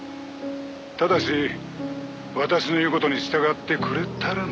「ただし私の言う事に従ってくれたらの話ですがね」